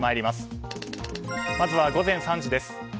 まずは午前３時です。